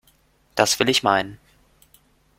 Das will ich meinen!